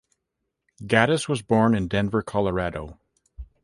Gaddis was born in Denver, Colorado.